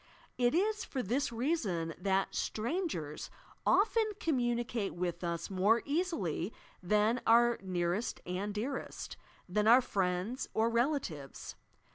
It is for thia that "strangers" often commimicate with us more easily than oar nearest and dearest, — than our friends or rela tives.